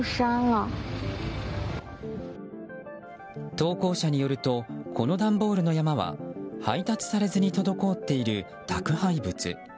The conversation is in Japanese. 投稿者によるとこの段ボールの山は配達されずに滞っている宅配物。